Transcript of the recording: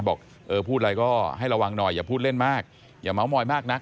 บอกเออพูดอะไรก็ให้ระวังหน่อยอย่าพูดเล่นมากอย่าเมาสอยมากนัก